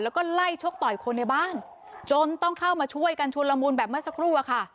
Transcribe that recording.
แล้วก็ไล่ชกต่อยคนในบ้านจนต้องเข้ามาช่วยกันชุนละมุนแบบเมื่อสักครู่อะค่ะ